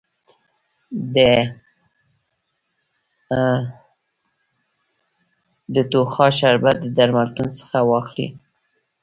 د ټوخا شربت د درملتون څخه واخلی